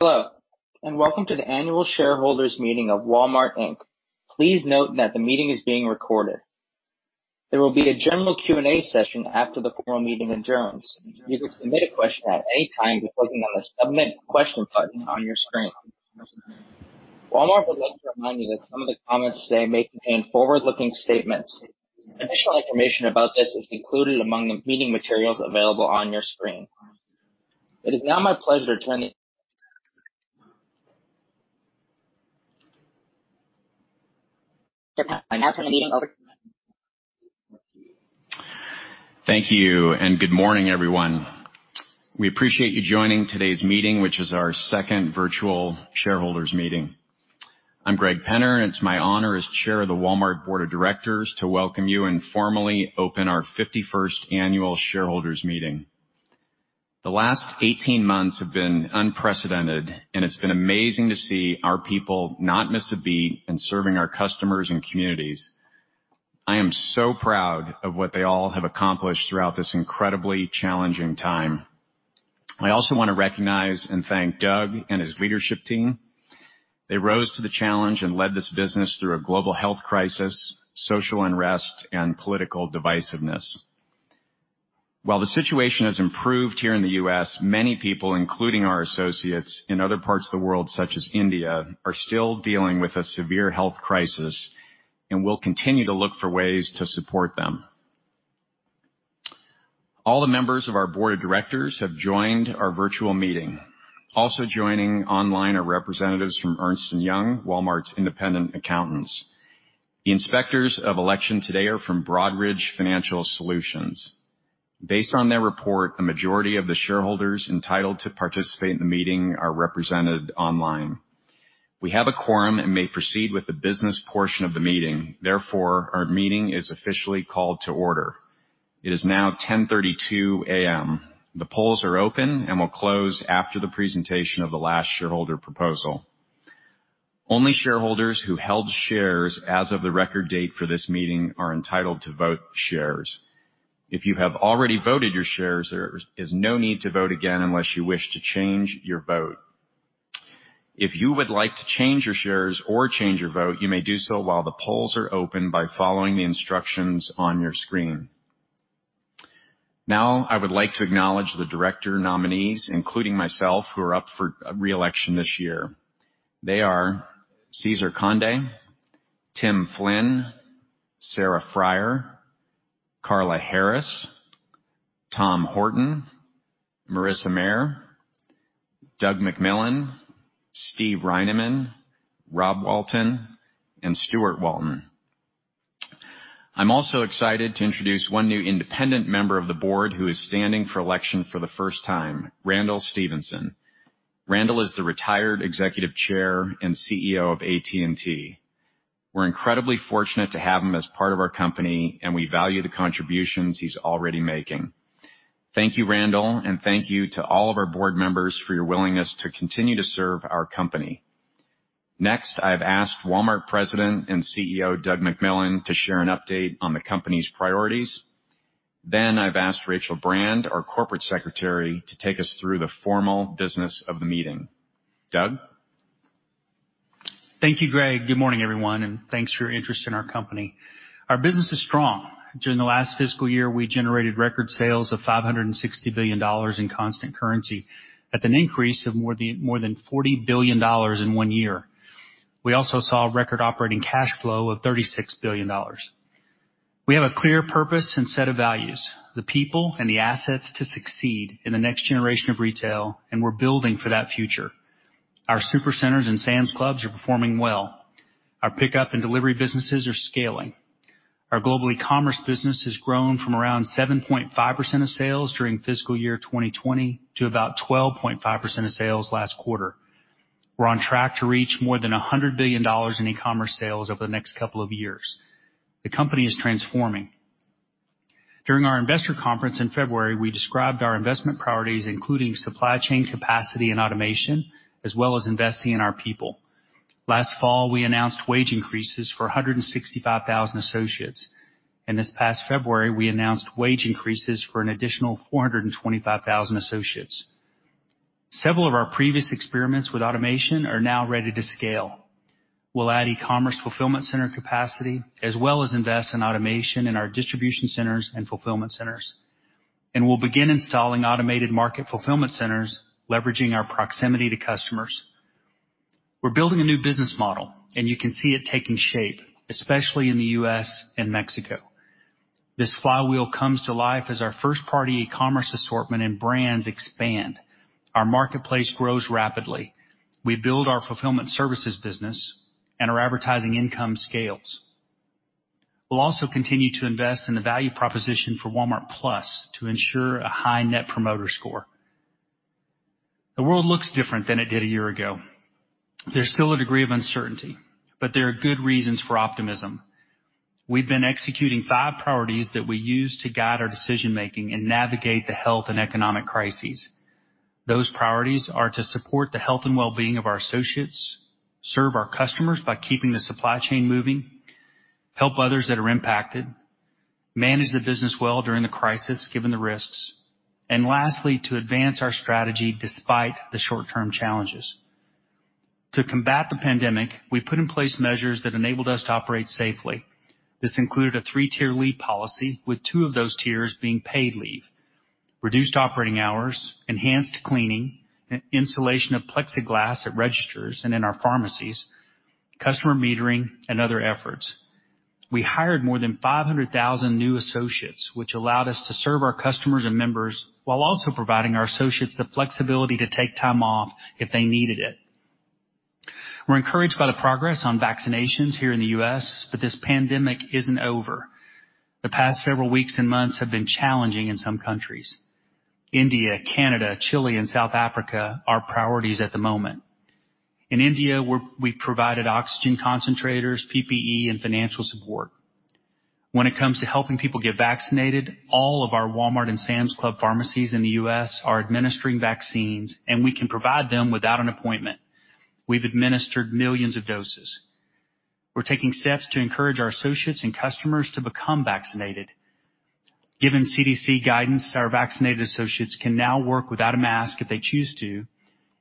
Hello, welcome to the Annual Shareholders Meeting of Walmart Inc. Please note that the meeting is being recorded. There will be a general Q&A session after the quorum meeting adjourns. You can submit a question at any time by clicking on the Submit Question button on your screen. Walmart would like to remind you that some of the comments today may contain forward-looking statements. Additional information about this is included among the meeting materials available on your screen. It is now my pleasure to turn it over to Greg Penner. Thank you. Good morning, everyone. We appreciate you joining today's meeting, which is our second virtual shareholders meeting. I'm Greg Penner, and it's my honor as Chair of the Walmart Board of Directors to welcome you and formally open our 51st annual shareholders meeting. The last 18 months have been unprecedented, and it's been amazing to see our people not miss a beat in serving our customers and communities. I am so proud of what they all have accomplished throughout this incredibly challenging time. I also want to recognize and thank Doug and his leadership team. They rose to the challenge and led this business through a global health crisis, social unrest, and political divisiveness. While the situation has improved here in the U.S., many people, including our associates in other parts of the world such as India, are still dealing with a severe health crisis, and we'll continue to look for ways to support them. All the members of our board of directors have joined our virtual meeting. Also joining online are representatives from Ernst & Young, Walmart's independent accountants. The inspectors of election today are from Broadridge Financial Solutions. Based on their report, the majority of the shareholders entitled to participate in the meeting are represented online. We have a quorum and may proceed with the business portion of the meeting. Our meeting is officially called to order. It is now 10:32 A.M. The polls are open and will close after the presentation of the last shareholder proposal. Only shareholders who held shares as of the record date for this meeting are entitled to vote shares. If you have already voted your shares, there is no need to vote again unless you wish to change your vote. If you would like to change your shares or change your vote, you may do so while the polls are open by following the instructions on your screen. I would like to acknowledge the director nominees, including myself, who are up for re-election this year. They are Cesar Conde, Tim Flynn, Sarah Friar, Carla Harris, Tom Horton, Marisa Mayer, Doug McMillon, Steve Reinemund, Rob Walton, and Stuart Walton. I am also excited to introduce one new independent member of the board who is standing for election for the first time, Randall Stephenson. Randall is the retired Executive Chair and CEO of AT&T. We're incredibly fortunate to have him as part of our company, and we value the contributions he's already making. Thank you, Randall, and thank you to all of our board members for your willingness to continue to serve our company. Next, I've asked Walmart President and CEO, Doug McMillon, to share an update on the company's priorities. I've asked Rachel Brand, our Corporate Secretary, to take us through the formal business of the meeting. Doug? Thank you, Greg. Good morning, everyone, and thanks for your interest in our company. Our business is strong. During the last fiscal year, we generated record sales of $560 billion in constant currency. That's an increase of more than $40 billion in one year. We also saw record operating cash flow of $36 billion. We have a clear purpose and set of values, the people and the assets to succeed in the next generation of retail, and we're building for that future. Our Supercenters and Sam's Clubs are performing well. Our pickup and delivery businesses are scaling. Our global ecommerce business has grown from around 7.5% of sales during fiscal year 2020 to about 12.5% of sales last quarter. We're on track to reach more than $100 billion in ecommerce sales over the next couple of years. The company is transforming. During our investor conference in February, we described our investment priorities, including supply chain capacity and automation, as well as investing in our people. Last fall, we announced wage increases for 165,000 associates. This past February, we announced wage increases for an additional 425,000 associates. Several of our previous experiments with automation are now ready to scale. We'll add e-commerce fulfillment center capacity, as well as invest in automation in our distribution centers and fulfillment centers. We'll begin installing automated market fulfillment centers, leveraging our proximity to customers. We're building a new business model, and you can see it taking shape, especially in the U.S. and Mexico. This flywheel comes to life as our first-party e-commerce assortment and brands expand, our marketplace grows rapidly, we build our fulfillment services business, and our advertising income scales. We'll also continue to invest in the value proposition for Walmart+ to ensure a high Net Promoter Score. The world looks different than it did a year ago. There is still a degree of uncertainty, but there are good reasons for optimism. We have been executing five priorities that we use to guide our decision-making and navigate the health and economic crises. Those priorities are to support the health and well-being of our associates, serve our customers by keeping the supply chain moving, help others that are impacted. Manage the business well during the crisis, given the risks, and lastly, to advance our strategy despite the short-term challenges. To combat the pandemic, we put in place measures that enabled us to operate safely. This included a three+-tier leave policy, with two of those tiers being paid leave, reduced operating hours, enhanced cleaning, installation of plexiglass at registers and in our pharmacies, customer metering, and other efforts. We hired more than 500,000 new associates, which allowed us to serve our customers and members while also providing our associates the flexibility to take time off if they needed it. We're encouraged by the progress on vaccinations here in the U.S., but this pandemic isn't over. The past several weeks and months have been challenging in some countries. India, Canada, Chile, and South Africa are priorities at the moment. In India, we provided oxygen concentrators, PPE, and financial support. When it comes to helping people get vaccinated, all of our Walmart and Sam's Club pharmacies in the U.S. are administering vaccines, and we can provide them without an appointment. We've administered millions of doses. We're taking steps to encourage our associates and customers to become vaccinated. Given CDC guidance, our vaccinated associates can now work without a mask if they choose to,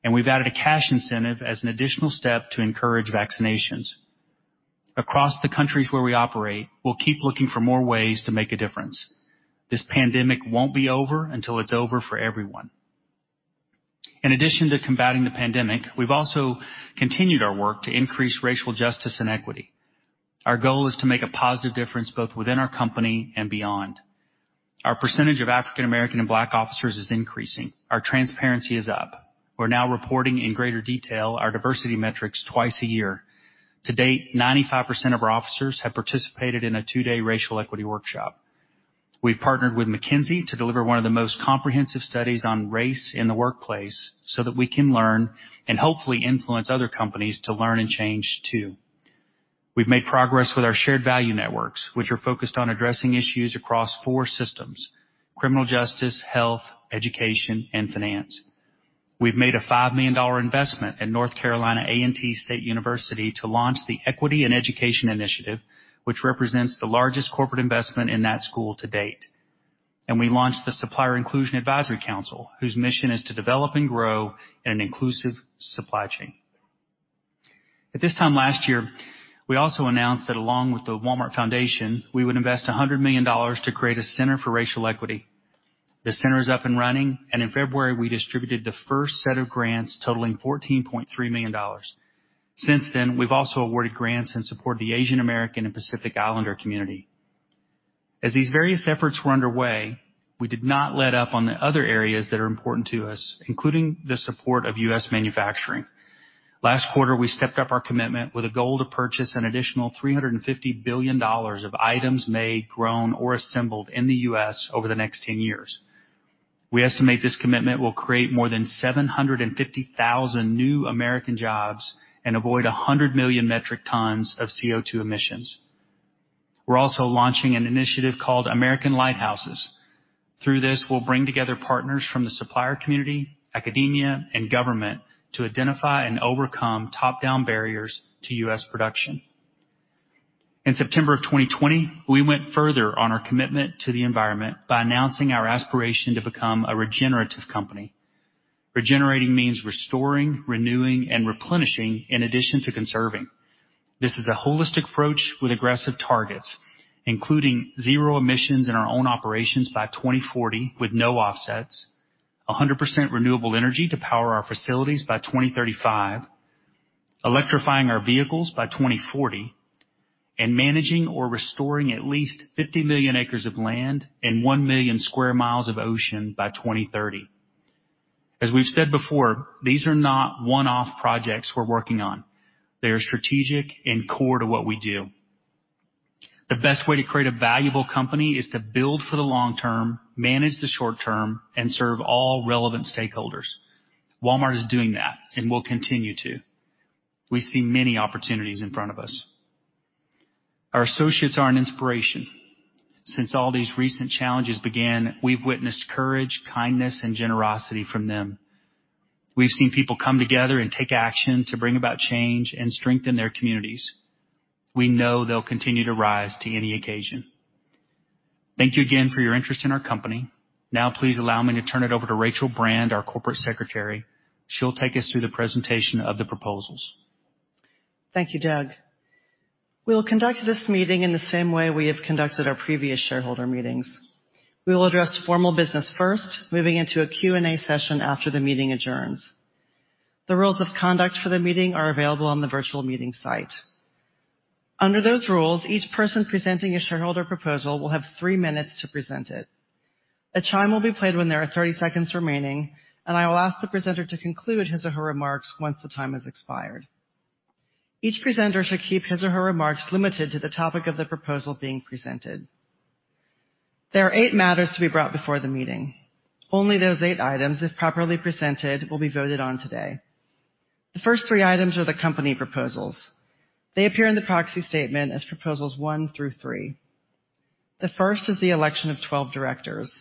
and we've added a cash incentive as an additional step to encourage vaccinations. Across the countries where we operate, we'll keep looking for more ways to make a difference. This pandemic won't be over until it's over for everyone. In addition to combating the pandemic, we've also continued our work to increase racial justice and equity. Our goal is to make a positive difference both within our company and beyond. Our percentage of African American and Black officers is increasing. Our transparency is up. We're now reporting in greater detail our diversity metrics twice a year. To date, 95% of our officers have participated in a two-day racial equity workshop. We've partnered with McKinsey to deliver one of the most comprehensive studies on race in the workplace so that we can learn and hopefully influence other companies to learn and change, too. We've made progress with our shared value networks, which are focused on addressing issues across four systems: criminal justice, health, education, and finance. We've made a $5 million investment in North Carolina A&T State University to launch the Equity in Education Initiative, which represents the largest corporate investment in that school to date. We launched the Supplier Inclusion Advisory Council, whose mission is to develop and grow an inclusive supply chain. At this time last year, we also announced that along with the Walmart Foundation, we would invest $100 million to create a center for racial equity. The center is up and running, and in February, we distributed the first set of grants totaling $14.3 million. Since then, we've also awarded grants in support of the Asian American and Pacific Islander community. As these various efforts were underway, we did not let up on the other areas that are important to us, including the support of U.S. manufacturing. Last quarter, we stepped up our commitment with a goal to purchase an additional $350 billion of items made, grown, or assembled in the U.S. over the next 10 years. We estimate this commitment will create more than 750,000 new American jobs and avoid 100 million metric tons of CO2 emissions. We're also launching an initiative called American Lighthouses. Through this, we'll bring together partners from the supplier community, academia, and government to identify and overcome top-down barriers to U.S. production. In September of 2020, we went further on our commitment to the environment by announcing our aspiration to become a regenerative company. Regenerating means restoring, renewing, and replenishing in addition to conserving. This is a holistic approach with aggressive targets, including zero emissions in our own operations by 2040 with no offsets, 100% renewable energy to power our facilities by 2035, electrifying our vehicles by 2040, and managing or restoring at least 50 million acres of land and 1 million sq mi of ocean by 2030. As we've said before, these are not one-off projects we're working on. They are strategic and core to what we do. The best way to create a valuable company is to build for the long term, manage the short term, and serve all relevant stakeholders. Walmart is doing that and will continue to. We see many opportunities in front of us. Our associates are an inspiration. Since all these recent challenges began, we've witnessed courage, kindness, and generosity from them. We've seen people come together and take action to bring about change and strengthen their communities. We know they'll continue to rise to any occasion. Thank you again for your interest in our company. Please allow me to turn it over to Rachel Brand, our Corporate Secretary. She'll take us through the presentation of the proposals. Thank you, Doug. We'll conduct this meeting in the same way we have conducted our previous shareholder meetings. We will address formal business first, moving into a Q&A session after the meeting adjourns. The rules of conduct for the meeting are available on the virtual meeting site. Under those rules, each person presenting a shareholder proposal will have three minutes to present it. A chime will be played when there are 30 seconds remaining, and I will ask the presenter to conclude his or her remarks once the time has expired. Each presenter should keep his or her remarks limited to the topic of the proposal being presented. There are eight matters to be brought before the meeting. Only those eight items, if properly presented, will be voted on today. The first three items are the company proposals. They appear in the proxy statement as proposals one through three. The first is the election of 12 directors.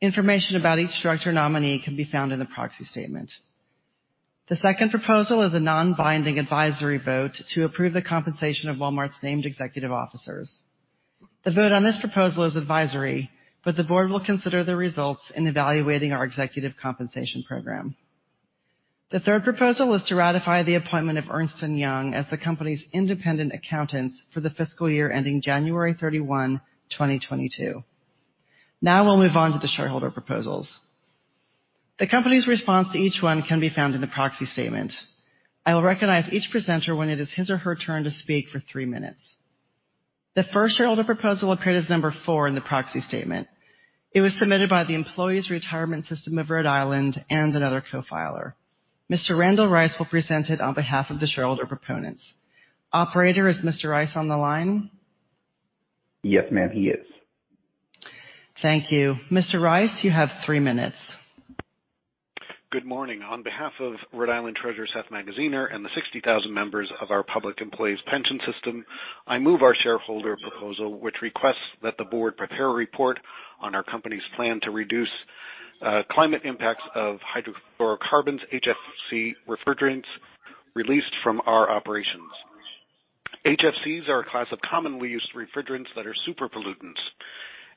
Information about each director nominee can be found in the proxy statement. The second proposal is a non-binding advisory vote to approve the compensation of Walmart's named executive officers. The vote on this proposal is advisory. The board will consider the results in evaluating our executive compensation program. The third proposal is to ratify the appointment of Ernst & Young as the company's independent accountants for the fiscal year ending January 31, 2022. Now we'll move on to the shareholder proposals. The company's response to each one can be found in the proxy statement. I will recognize each presenter when it is his or her turn to speak for three minutes. The first shareholder proposal appeared as number four in the proxy statement. It was submitted by the Employees' Retirement System of Rhode Island and another co-filer. Mr. Randall Rice will present it on behalf of the shareholder proponents. Operator, is Mr. Rice on the line? Yes, Ma'am, he is. Thank you. Mr. Rice, you have three minutes. Good morning. On behalf of Rhode Island Treasurer Seth Magaziner and the 60,000 members of our Employees' Retirement System of Rhode Island, I move our shareholder proposal, which requests that the Board prepare a report on our company's plan to reduce climate impacts of hydrofluorocarbons, HFC refrigerants, released from our operations. HFCs are a class of commonly used refrigerants that are super pollutants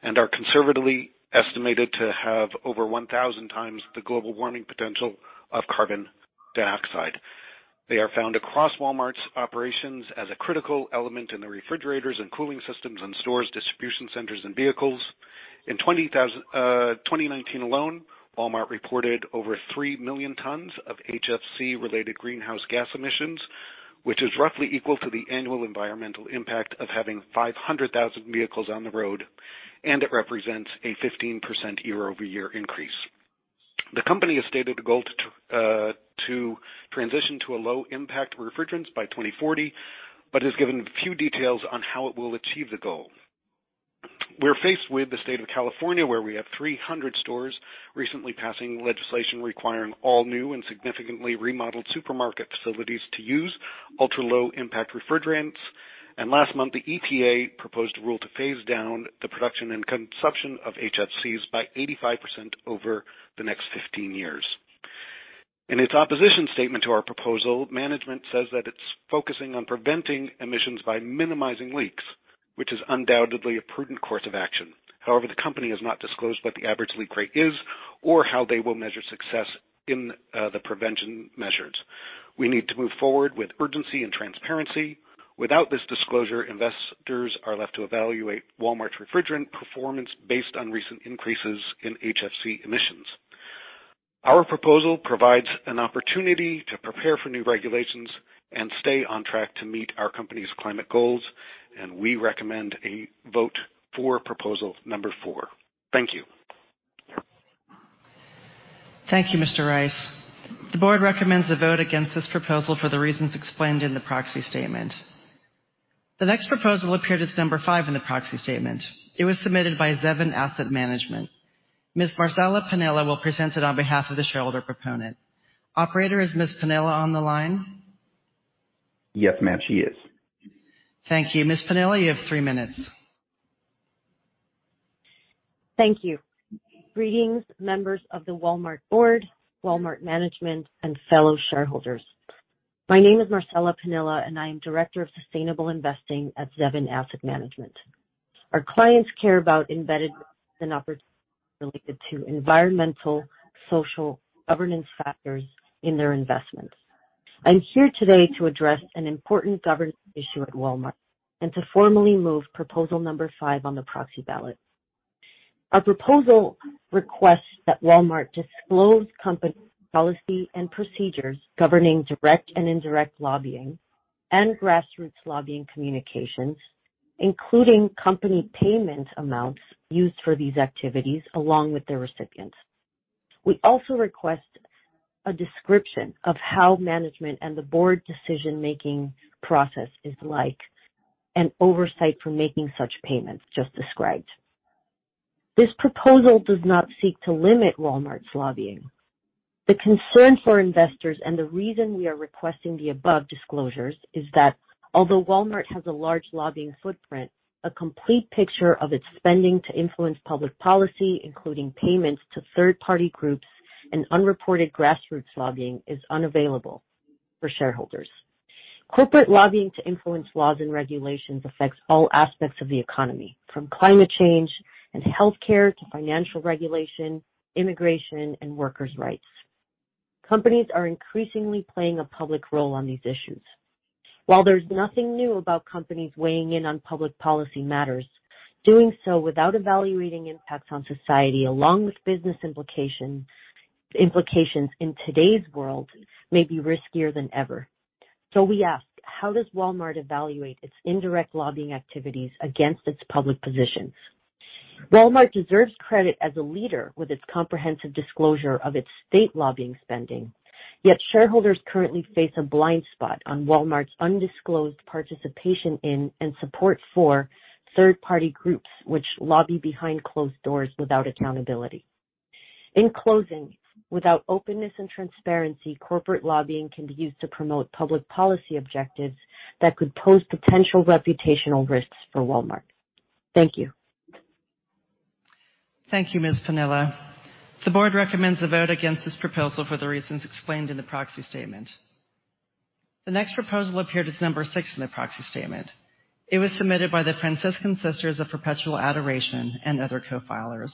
and are conservatively estimated to have over 1,000 times the global warming potential of carbon dioxide. They are found across Walmart's operations as a critical element in the refrigerators and cooling systems in stores, distribution centers, and vehicles. In 2019 alone, Walmart reported over three million tons of HFC related greenhouse gas emissions, which is roughly equal to the annual environmental impact of having 500,000 vehicles on the road, and it represents a 15% year-over-year increase. The company has stated a goal to transition to a low-impact refrigerants by 2040, has given few details on how it will achieve the goal. We're faced with the state of California, where we have 300 stores recently passing legislation requiring all new and significantly remodeled supermarket facilities to use ultra-low impact refrigerants. Last month, the EPA proposed a rule to phase down the production and consumption of HFCs by 85% over the next 15 years. In its opposition statement to our proposal, management says that it's focusing on preventing emissions by minimizing leaks, which is undoubtedly a prudent course of action. However, the company has not disclosed what the average leak rate is or how they will measure success in the prevention measures. We need to move forward with urgency and transparency. Without this disclosure, investors are left to evaluate Walmart's refrigerant performance based on recent increases in HFC emissions. Our proposal provides an opportunity to prepare for new regulations and stay on track to meet our company's climate goals. We recommend a vote for proposal number four. Thank you. Thank you, Mr. Rice. The board recommends a vote against this proposal for the reasons explained in the proxy statement. The next proposal appeared as number five in the proxy statement. It was submitted by Zevin Asset Management. Ms. Marcella Pinilla will present it on behalf of the shareholder proponent. Operator, is Ms. Pinilla on the line? Yes, Ma'am, she is. Thank you. Ms. Pinilla, you have three minutes. Thank you. Greetings, members of the Walmart board, Walmart management, and fellow shareholders. My name is Marcella Pinilla, and I am Director of Sustainable Investing at Zevin Asset Management. Our clients care about embedded and opportunities related to environmental, social, governance factors in their investments. I'm here today to address an important governance issue at Walmart and to formally move proposal number five on the proxy ballot. Our proposal requests that Walmart disclose company policy and procedures governing direct and indirect lobbying and grassroots lobbying communications, including company payment amounts used for these activities along with their recipients. We also request a description of how management and the board decision-making process is like, and oversight for making such payments just described. This proposal does not seek to limit Walmart's lobbying. The concern for investors and the reason we are requesting the above disclosures is that although Walmart has a large lobbying footprint, a complete picture of its spending to influence public policy, including payments to third-party groups and unreported grassroots lobbying, is unavailable for shareholders. Corporate lobbying to influence laws and regulations affects all aspects of the economy, from climate change and healthcare to financial regulation, immigration, and workers' rights. Companies are increasingly playing a public role on these issues. While there's nothing new about companies weighing in on public policy matters, doing so without evaluating impacts on society along with business implications in today's world may be riskier than ever. We ask, how does Walmart evaluate its indirect lobbying activities against its public positions? Walmart deserves credit as a leader with its comprehensive disclosure of its state lobbying spending. Shareholders currently face a blind spot on Walmart's undisclosed participation in and support for third-party groups which lobby behind closed doors without accountability. In closing, without openness and transparency, corporate lobbying can be used to promote public policy objectives that could pose potential reputational risks for Walmart. Thank you. Thank you, Ms. Pinilla. The board recommends a vote against this proposal for the reasons explained in the proxy statement. The next proposal appeared as number six in the proxy statement. It was submitted by the Franciscan Sisters of Perpetual Adoration and other co-filers.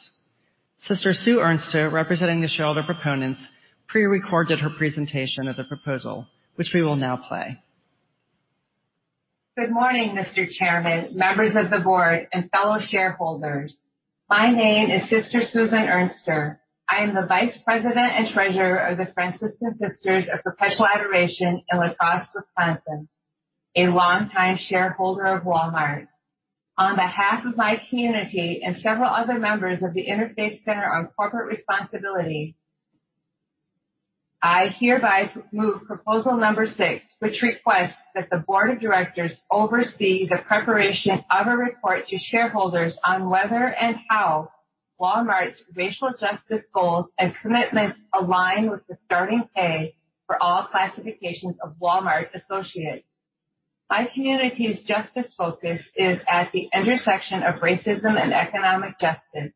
Sister Sue Ernster, representing the shareholder proponents, pre-recorded her presentation of the proposal, which we will now play. Good morning, Mr. Chairman, members of the board, and fellow shareholders. My name is Sister Susan Ernster. I am the Vice President and Treasurer of the Franciscan Sisters of Perpetual Adoration in La Crosse, Wisconsin, a longtime shareholder of Walmart. On behalf of my community and several other members of the Interfaith Center on Corporate Responsibility, I hereby move proposal number six, which requests that the board of directors oversee the preparation of a report to shareholders on whether and how Walmart's racial justice goals and commitments align with the starting pay for all classifications of Walmart associates. My community's justice focus is at the intersection of racism and economic justice.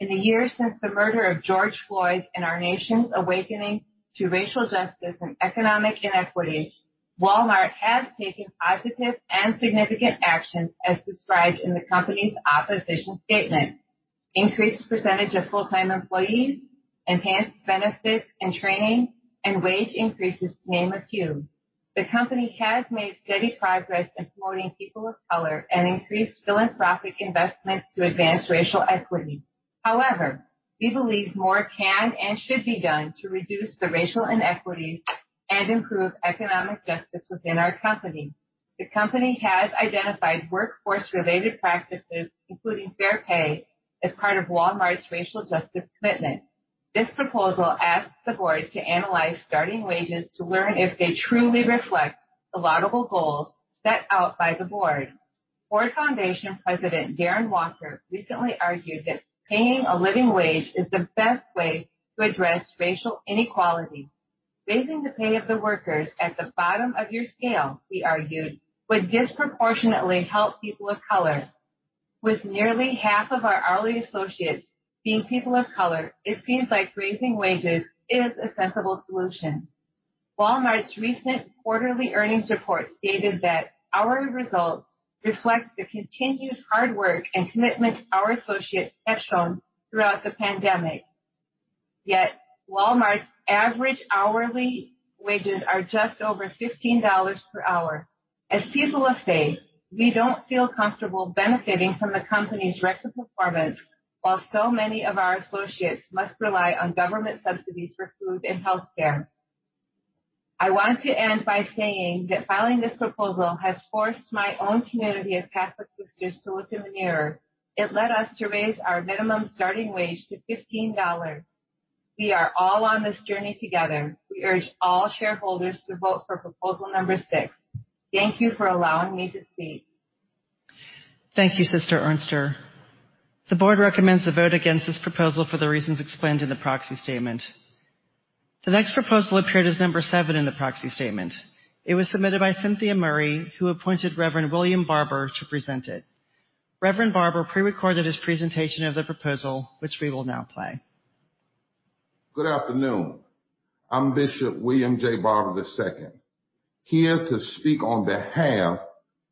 In the years since the murder of George Floyd and our nation's awakening to racial justice and economic inequities, Walmart has taken positive and significant actions as described in the company's opposition statement. Increased percentage of full-time employees, enhanced benefits and training, and wage increases to name a few. The company has made steady progress employing people of color and increased philanthropic investments to advance racial equity. However, we believe more can and should be done to reduce the racial inequities and improve economic justice within our company. The company has identified workforce-related practices, including fair pay, as part of Walmart's racial justice commitment. This proposal asks the board to analyze starting wages to learn if they truly reflect the laudable goals set out by the board. Ford Foundation President Darren Walker recently argued that paying a living wage is the best way to address racial inequality. Raising the pay of the workers at the bottom of your scale, he argued, would disproportionately help people of color. With nearly 1/2 of our hourly associates being people of color, it seems like raising wages is a sensible solution. Walmart's recent quarterly earnings report stated that our results reflect the continued hard work and commitment our associates have shown throughout the pandemic. Walmart's average hourly wages are just over $15 per hour. As people of faith, we don't feel comfortable benefiting from the company's record performance while so many of our associates must rely on government subsidies for food and healthcare. I want to end by saying that filing this proposal has forced my own community of Catholic sisters to look in the mirror. It led us to raise our minimum starting wage to $15. We are all on this journey together. We urge all shareholders to vote for proposal number six. Thank you for allowing me to speak. Thank you, Sister Ernster. The board recommends a vote against this proposal for the reasons explained in the proxy statement. The next proposal appeared as number seven in the proxy statement. It was submitted by Cynthia Murray, who appointed Reverend William Barber to present it. Reverend Barber pre-recorded his presentation of the proposal, which we will now play. Good afternoon. I'm Bishop William J. Barber II, here to speak on behalf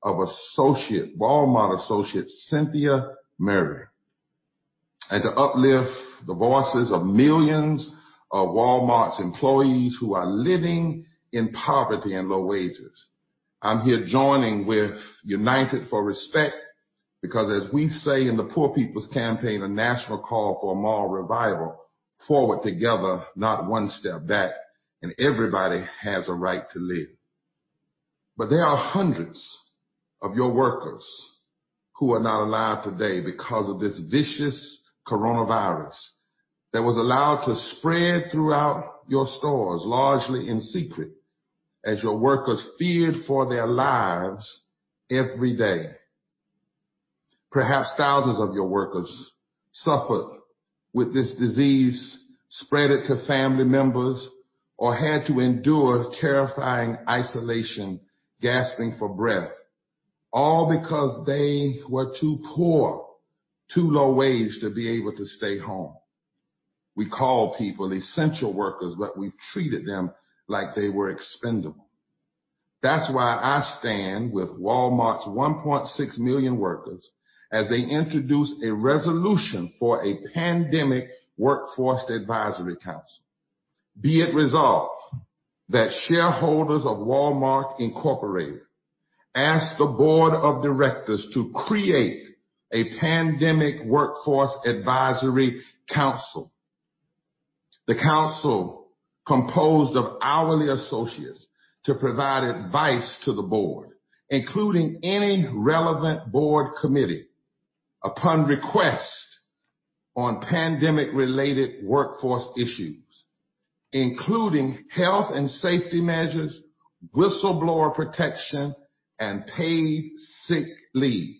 of Walmart associate, Cynthia Murray, and to uplift the voices of millions of Walmart's employees who are living in poverty and low wages. I'm here joining with United for Respect because as we say in the Poor People's Campaign, a national call for a moral revival, forward together, not one step back. Everybody has a right to live. There are hundreds of your workers who are not alive today because of this vicious coronavirus that was allowed to spread throughout your stores, largely in secret, as your workers feared for their lives every day. Perhaps thousands of your workers suffered with this disease, spread it to family members, or had to endure terrifying isolation, gasping for breath, all because they were too poor, too low wage to be able to stay home. We call people essential workers, but we've treated them like they were expendable. That's why I stand with Walmart's 1.6 million workers as they introduce a resolution for a Pandemic Workforce Advisory Council. Be it resolved that shareholders of Walmart Inc. ask the Board of Directors to create a Pandemic Workforce Advisory Council. The council, composed of hourly associates to provide advice to the Board, including any relevant Board Committee, upon request on pandemic-related workforce issues, including health and safety measures, whistleblower protection, and paid sick leave.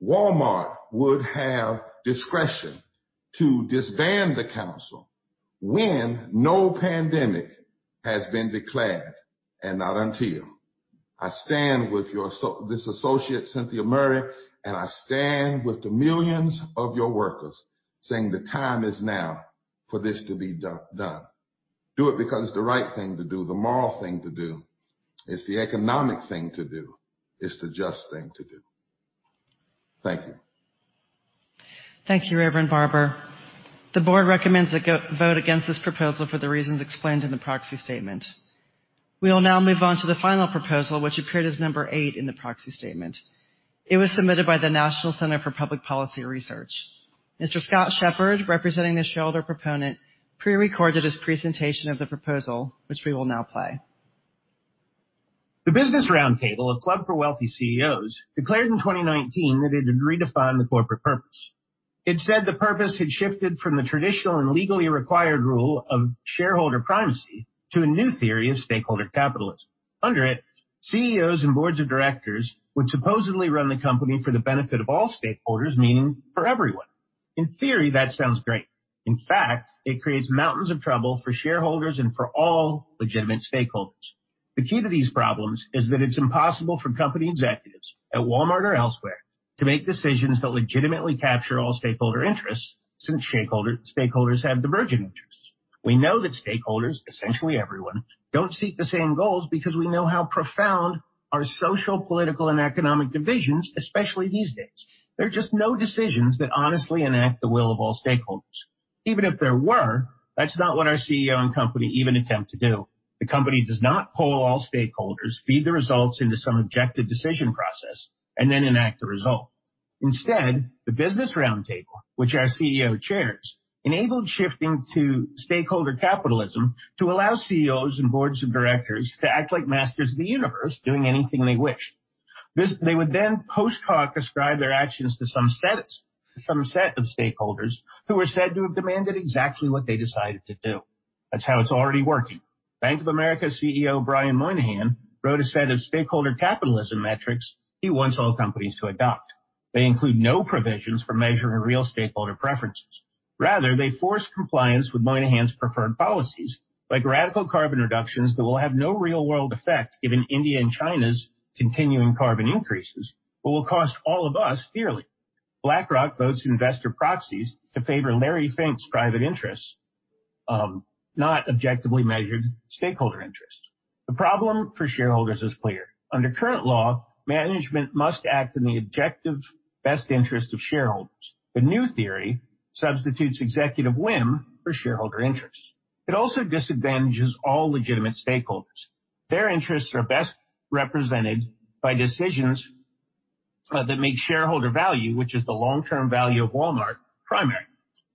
Walmart would have discretion to disband the council when no pandemic has been declared and not until I stand with this associate, Cynthia Murray. I stand with the millions of your workers saying the time is now for this to be done. Do it because it's the right thing to do, the moral thing to do. It's the economic thing to do. It's the just thing to do. Thank you. Thank you, Reverend Barber. The board recommends a vote against this proposal for the reasons explained in the proxy statement. We will now move on to the final proposal, which appeared as number eight in the proxy statement. It was submitted by the National Center for Public Policy Research. Mr. Scott Shepard, representing a shareholder proponent, pre-recorded his presentation of the proposal, which we will now play. The Business Roundtable, a club for wealthy CEOs, declared in 2019 that it had redefined the corporate purpose. It said the purpose had shifted from the traditional and legally required rule of shareholder primacy to a new theory of stakeholder capitalism. Under it, CEOs and boards of directors would supposedly run the company for the benefit of all stakeholders, meaning for everyone. In theory, that sounds great. In fact, it creates mountains of trouble for shareholders and for all legitimate stakeholders. The key to these problems is that it's impossible for company executives, at Walmart or elsewhere, to make decisions that legitimately capture all stakeholder interests, since stakeholders have diverging interests. We know that stakeholders, essentially everyone, don't seek the same goals because we know how profound our social, political, and economic divisions, especially these days. There are just no decisions that honestly enact the will of all stakeholders. Even if there were, that's not what our CEO and company even attempt to do. The company does not poll all stakeholders, feed the results into some objective decision process, and then enact the result. Instead, the Business Roundtable, which our CEO chairs, enabled shifting to stakeholder capitalism to allow CEOs and boards of directors to act like masters of the universe, doing anything they wish. They would then post hoc ascribe their actions to some set of stakeholders who are said to have demanded exactly what they decided to do. That's how it's already working. Bank of America CEO Brian Moynihan wrote a set of stakeholder capitalism metrics he wants all companies to adopt. They include no provisions for measuring real stakeholder preferences. Rather, they force compliance with Brian Moynihan's preferred policies, like radical carbon reductions that will have no real-world effect given India and China's continuing carbon increases but will cost all of us dearly. BlackRock votes investor proxies to favor Larry Fink's private interests, not objectively measured stakeholder interests. The problem for shareholders is clear. Under current law, management must act in the objective best interest of shareholders. The new theory substitutes executive whim for shareholder interests. It also disadvantages all legitimate stakeholders. Their interests are best represented by decisions that make shareholder value, which is the long-term value of Walmart, primary.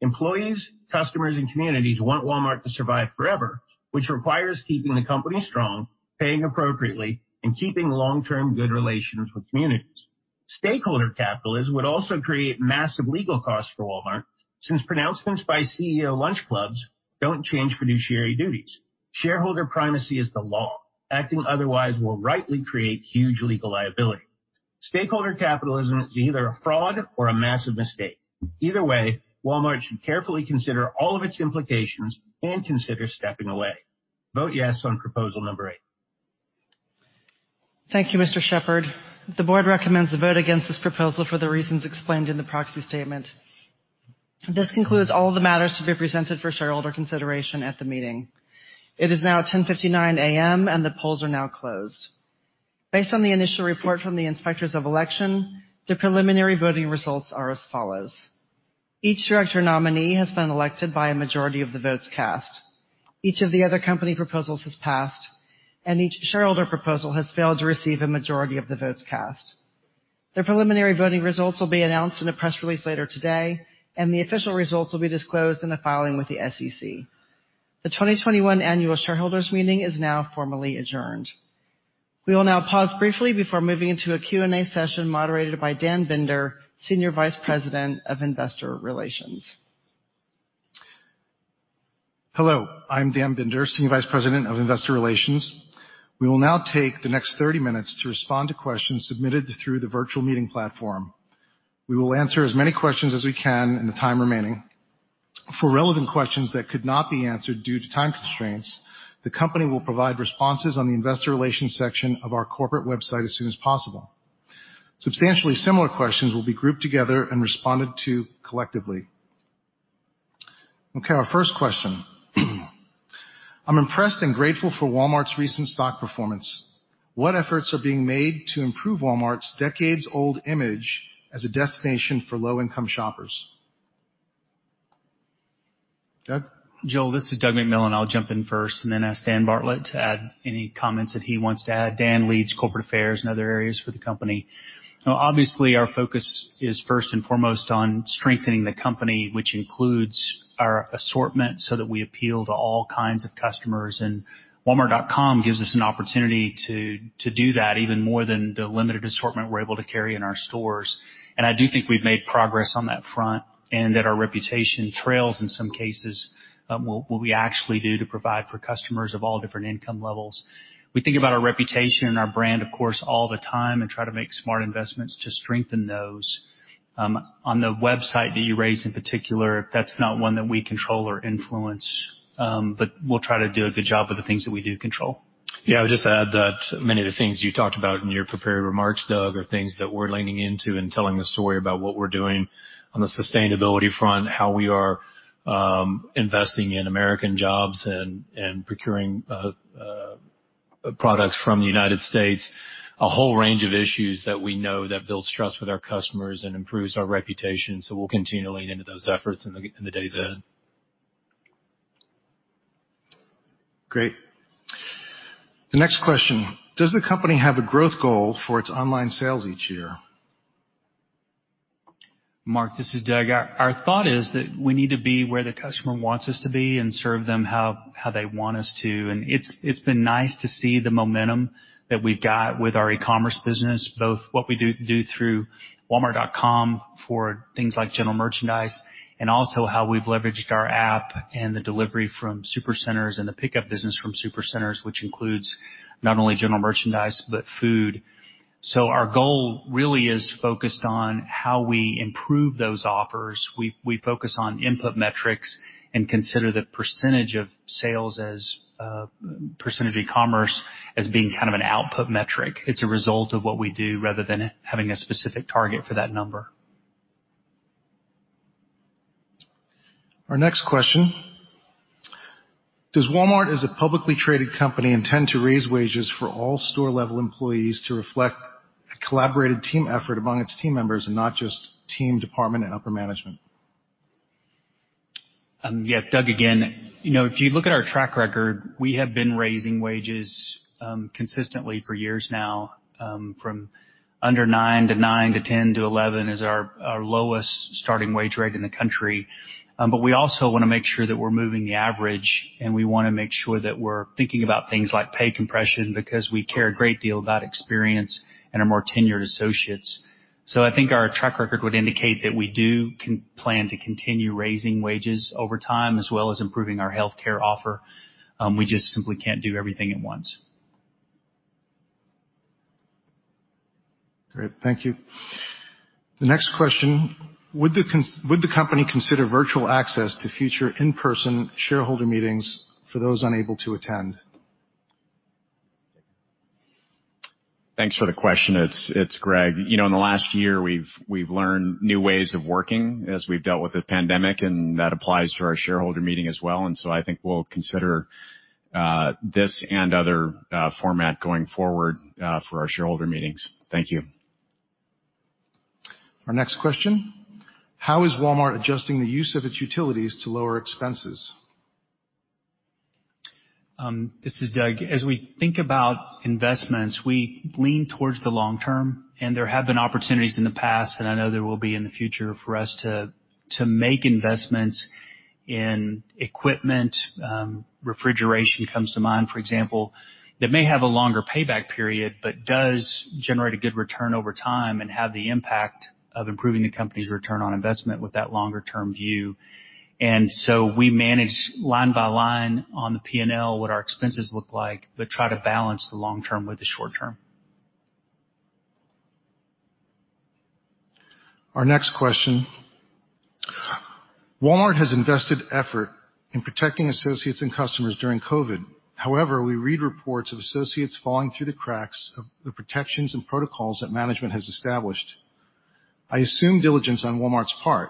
Employees, customers, and communities want Walmart to survive forever, which requires keeping the company strong, paying appropriately, and keeping long-term good relations with communities. Stakeholder capitalism would also create massive legal costs for Walmart, since pronouncements by CEO lunch clubs don't change fiduciary duties. Shareholder primacy is the law. Acting otherwise will rightly create huge legal liability. Stakeholder capitalism is either a fraud or a massive mistake. Either way, Walmart should carefully consider all of its implications and consider stepping away. Vote yes on proposal number eight. Thank you, Mr. Shepard. The board recommends a vote against this proposal for the reasons explained in the proxy statement. This concludes all the matters to be presented for shareholder consideration at the meeting. It is now 10:59 A.M., and the polls are now closed. Based on the initial report from the inspectors of election, the preliminary voting results are as follows. Each director nominee has been elected by a majority of the votes cast. Each of the other company proposals has passed, and each shareholder proposal has failed to receive a majority of the votes cast. The preliminary voting results will be announced in a press release later today, and the official results will be disclosed in a filing with the SEC. The 2021 annual shareholders' meeting is now formally adjourned. We will now pause briefly before moving into a Q&A session moderated by Dan Binder, Senior Vice President of Investor Relations. Hello, I'm Dan Binder, Senior Vice President of Investor Relations. We will now take the next 30 minutes to respond to questions submitted through the virtual meeting platform. We will answer as many questions as we can in the time remaining. For relevant questions that could not be answered due to time constraints, the company will provide responses on the investor relations section of our corporate website as soon as possible. Substantially similar questions will be grouped together and responded to collectively. Okay, our first question. "I'm impressed and grateful for Walmart's recent stock performance. What efforts are being made to improve Walmart's decades-old image as a destination for low-income shoppers?" Doug? Jill, this is Doug McMillon. I'll jump in first and then ask Dan Bartlett to add any comments that he wants to add. Dan leads corporate affairs and other areas for the company. Obviously our focus is first and foremost on strengthening the company, which includes our assortment so that we appeal to all kinds of customers, walmart.com gives us an opportunity to do that even more than the limited assortment we're able to carry in our stores. I do think we've made progress on that front and that our reputation trails in some cases what we actually do to provide for customers of all different income levels. We think about our reputation and our brand, of course, all the time and try to make smart investments to strengthen those. On the website that you raised in particular, that's not one that we control or influence, but we'll try to do a good job of the things that we do control. I would just add that many of the things you talked about in your prepared remarks, Doug, are things that we're leaning into and telling the story about what we're doing on the sustainability front, how we are investing in American jobs and procuring products from the United States. A whole range of issues that we know that builds trust with our customers and improves our reputation. We'll continue to lean into those efforts in the days ahead. Great. The next question: Does the company have a growth goal for its online sales each year? Mark, this is Doug. Our thought is that we need to be where the customer wants us to be and serve them how they want us to. It's been nice to see the momentum that we've got with our e-commerce business, both what we do through walmart.com for things like general merchandise and also how we've leveraged our app and the delivery from Supercenters and the pickup business from Supercenters, which includes not only general merchandise, but food. Our goal really is focused on how we improve those offers. We focus on input metrics and consider the percentage of sales [inaudible] e-commerce as being kind of an output metric. It's a result of what we do rather than having a specific target for that number. Our next question: Does Walmart, as a publicly traded company, intend to raise wages for all store-level employees to reflect a collaborated team effort among its team members and not just team department and upper management? Yeah. Doug again. If you look at our track record, we have been raising wages consistently for years now, from under nine to nine to 10 to 11 is our lowest starting wage rate in the country. We also want to make sure that we're moving the average, and we want to make sure that we're thinking about things like pay compression because we care a great deal about experience and our more tenured associates. I think our track record would indicate that we do plan to continue raising wages over time as well as improving our healthcare offer. We just simply can't do everything at once. Great, thank you. The next question: Would the company consider virtual access to future in-person shareholder meetings for those unable to attend? Thanks for the question. It's Greg. In the last year, we've learned new ways of working as we've dealt with the pandemic, and that applies to our shareholder meeting as well. I think we'll consider this and other format going forward for our shareholder meetings. Thank you. Our next question: How is Walmart adjusting the use of its utilities to lower expenses? This is Doug. As we think about investments, we lean towards the long term, and there have been opportunities in the past, and I know there will be in the future for us to make investments in equipment, refrigeration comes to mind, for example, that may have a longer payback period but does generate a good return over time and have the impact of improving the company's return on investment with that longer-term view. We manage line by line on the P&L what our expenses look like, but try to balance the long term with the short term. Our next question: Walmart has invested effort in protecting associates and customers during COVID. We read reports of associates falling through the cracks of the protections and protocols that management has established. I assume diligence on Walmart's part.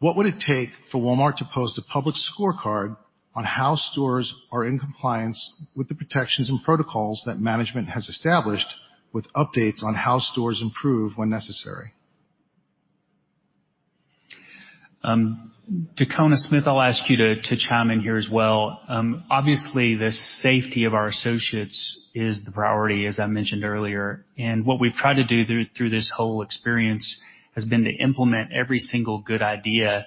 What would it take for Walmart to post a public scorecard on how stores are in compliance with the protections and protocols that management has established with updates on how stores improve when necessary? Dacona Smith, I'll ask you to chime in here as well. Obviously, the safety of our associates is the priority, as I mentioned earlier. What we've tried to do through this whole experience has been to implement every single good idea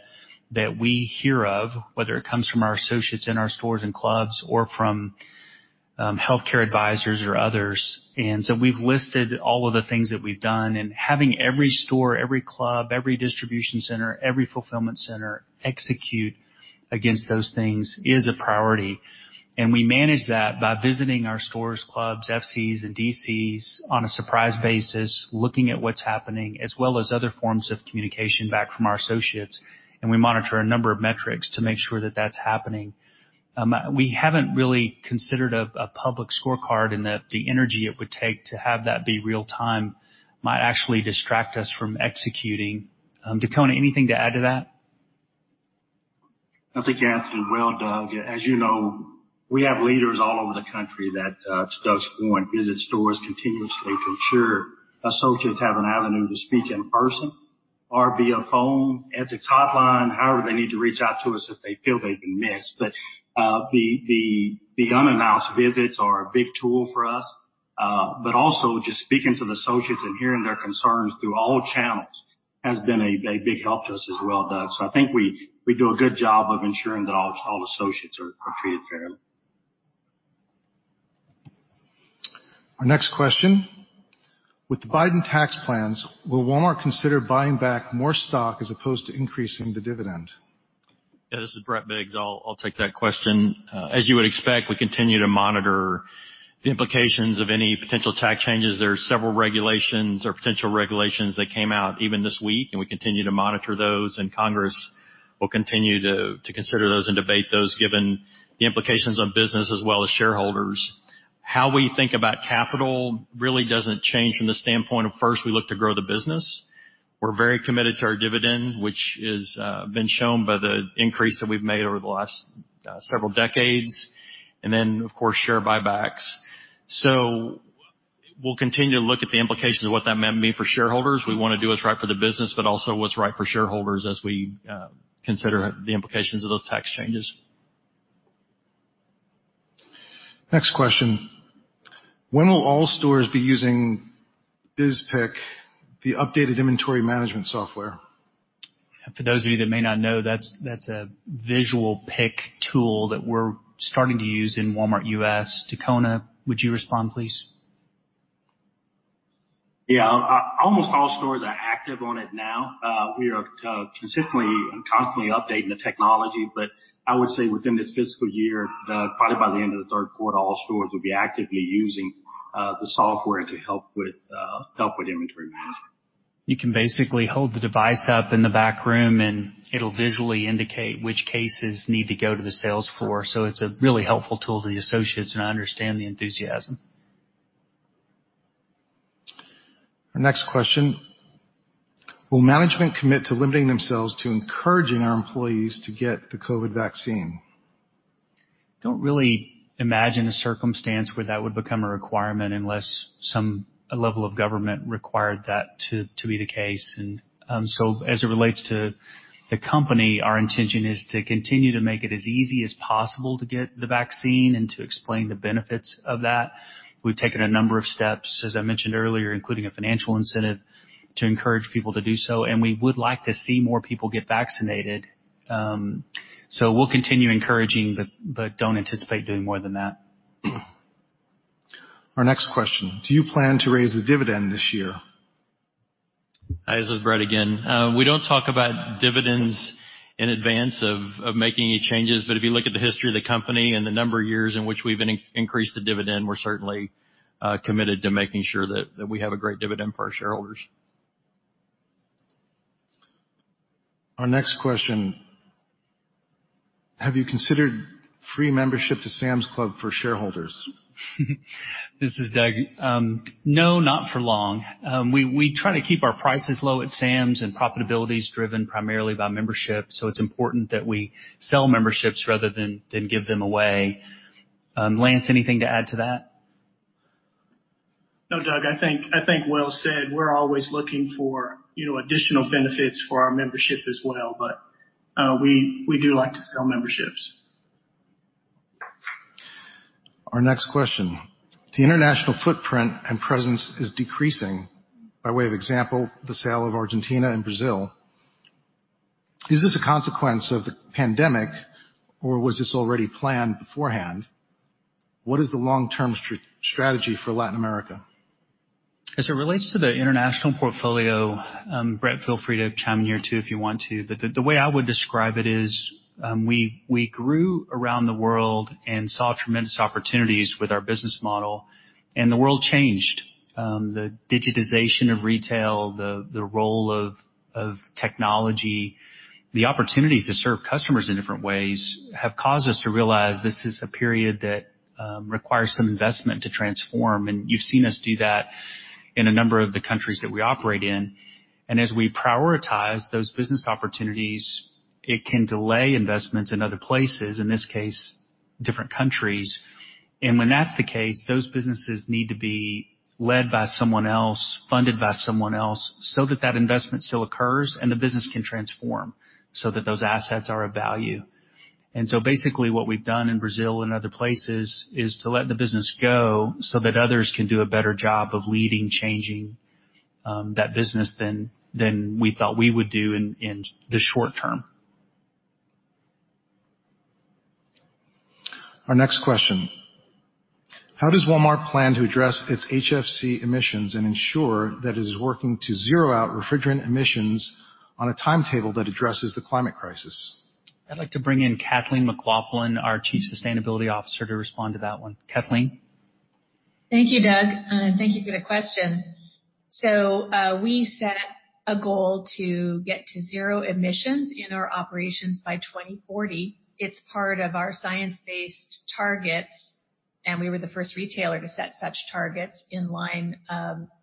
that we hear of, whether it comes from our associates in our stores and clubs or from healthcare advisors or others. We've listed all of the things that we've done, and having every store, every club, every distribution center, every fulfillment center execute against those things is a priority. We manage that by visiting our stores, clubs, FCs and DCs on a surprise basis, looking at what's happening, as well as other forms of communication back from our associates, and we monitor a number of metrics to make sure that that's happening. We haven't really considered a public scorecard and that the energy it would take to have that be real-time might actually distract us from executing. Dacona, anything to add to that? I think you answered it well, Doug. As you know, we have leaders all over the country that, to Doug's point, visit stores continuously to ensure associates have an avenue to speak in person or via phone, ethics hotline, however they need to reach out to us if they feel they've been missed. The unannounced visits are a big tool for us. Also just speaking to the associates and hearing their concerns through all channels has been a big help to us as well, Doug. I think we do a good job of ensuring that all associates are treated fairly. Our next question: With the Biden tax plans, will Walmart consider buying back more stock as opposed to increasing the dividend? Yeah, this is Brett Biggs. I'll take that question. As you would expect, we continue to monitor the implications of any potential tax changes. There are several regulations or potential regulations that came out even this week, and we continue to monitor those and Congress. We'll continue to consider those and debate those, given the implications on business as well as shareholders. How we think about capital really doesn't change from the standpoint of first we look to grow the business. We're very committed to our dividend, which has been shown by the increase that we've made over the last several decades, and then, of course, share buybacks. We'll continue to look at the implications of what that may mean for shareholders. We want to do what's right for the business, but also what's right for shareholders as we consider the implications of those tax changes. Next question. When will all stores be using VizPick, the updated inventory management software? For those of you that may not know, that's a visual pick tool that we're starting to use in Walmart U.S. Dacona Smith, would you respond, please? Almost all stores are active on it now. We are consistently and constantly updating the technology, but I would say within this fiscal year, probably by the end of the third quarter, all stores will be actively using the software to help with inventory management. You can basically hold the device up in the backroom, and it'll visually indicate which cases need to go to the sales floor. It's a really helpful tool to the associates and I understand the enthusiasm. Our next question. Will management commit to limiting themselves to encouraging our employees to get the COVID vaccine? Don't really imagine a circumstance where that would become a requirement unless some level of government required that to be the case. As it relates to the company, our intention is to continue to make it as easy as possible to get the vaccine and to explain the benefits of that. We've taken a number of steps, as I mentioned earlier, including a financial incentive to encourage people to do so, and we would like to see more people get vaccinated. We'll continue encouraging, but don't anticipate doing more than that. Our next question, do you plan to raise the dividend this year? This is Brett again. We don't talk about dividends in advance of making any changes, but if you look at the history of the company and the number of years in which we've increased the dividend, we're certainly committed to making sure that we have a great dividend for our shareholders. Our next question. Have you considered free membership to Sam's Club for shareholders? This is Doug. No, not for long. We try to keep our prices low at Sam's, and profitability is driven primarily by membership, so it's important that we sell memberships rather than give them away. Lance, anything to add to that? No, Doug. I think well said. We're always looking for additional benefits for our membership as well, but we do like to sell memberships. Our next question. The international footprint and presence is decreasing. By way of example, the sale of Argentina and Brazil. Is this a consequence of the pandemic, or was this already planned beforehand? What is the long-term strategy for Latin America? As it relates to the international portfolio, Brett, feel free to chime in here too if you want to. The way I would describe it is we grew around the world and saw tremendous opportunities with our business model, and the world changed. The digitization of retail, the role of technology, the opportunities to serve customers in different ways have caused us to realize this is a period that requires some investment to transform. You've seen us do that in a number of the countries that we operate in. As we prioritize those business opportunities, it can delay investments in other places, in this case, different countries. When that's the case, those businesses need to be led by someone else, funded by someone else, so that investment still occurs and the business can transform so that those assets are of value. Basically what we've done in Brazil and other places is to let the business go so that others can do a better job of leading, changing that business than we thought we would do in the short term. Our next question. How does Walmart plan to address its HFC emissions and ensure that it is working to zero out refrigerant emissions on a timetable that addresses the climate crisis? I'd like to bring in Kathleen McLaughlin, our Chief Sustainability Officer, to respond to that one. Kathleen. Thank you, Doug. Thank you for the question. We set a goal to get to zero emissions in our operations by 2040. It's part of our science-based targets, we were the first retailer to set such targets in line